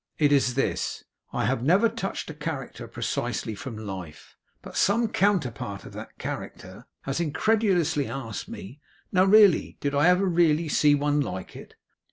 It is this: I have never touched a character precisely from the life, but some counterpart of that character has incredulously asked me: "Now really, did I ever really, see one like it?"